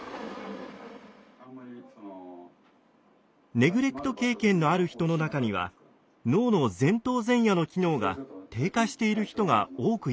ネグレクト経験のある人の中には脳の前頭前野の機能が低下している人が多くいました。